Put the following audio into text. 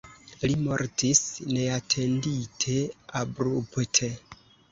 Li mortis neatendite abrupte.